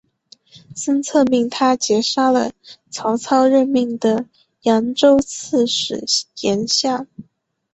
孙策命他截杀了曹操任命的扬州刺史严象。